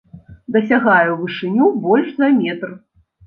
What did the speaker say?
Дасягае ў вышыню больш за метр.